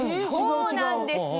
そうなんですよ。